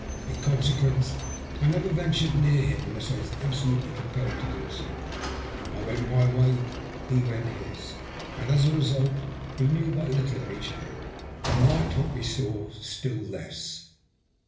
In consequence I never ventured near him unless I was absolutely compelled to do so. I went my way, he went his — and as a result we knew but Uttle of each other, and liked what we saw still less.